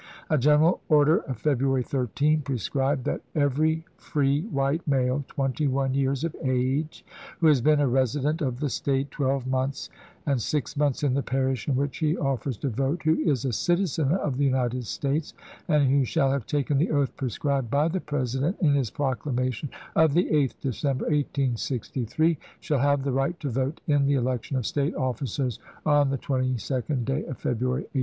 A general order of February 13 prescribed that " Every free white male, twenty one years of age, who has been a resident of the State twelve months, and six months in the parish in which he offers to vote, who is a citizen of the United States, and who shall have taken the oath prescribed by the President in his proclamation of the 8th Decem ber, 1863, shall have the right to vote in the elec tion of State officers on the 22d day of February, 1864."